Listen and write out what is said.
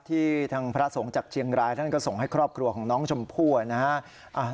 ที่ทางพระสงฆ์จากเชียงรายท่านก็ส่งให้ครอบครัวของน้องชมพู่นะฮะ